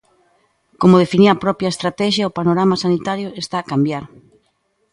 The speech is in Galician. Como definía a propia estratexia, o panorama sanitario está a cambiar.